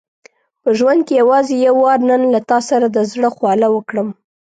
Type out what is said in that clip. په ژوند کې یوازې یو وار نن له تا سره د زړه خواله وکړم.